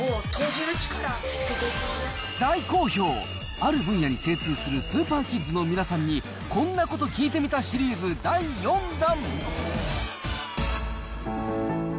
大好評、ある分野に精通するスーパーキッズの皆さんに、こんなこと聞いてみたシリーズ第４弾。